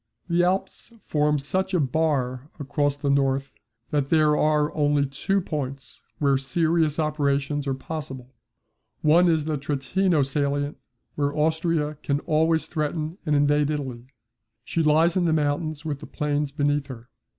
The Alps form such a bar across the north that there are only two points where serious operations are possible. One is the Trentino Salient where Austria can always threaten and invade Italy. She lies in the mountains with the plains beneath her.